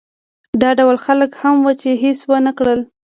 دا ډول خلک هم وو چې هېڅ ونه کړل.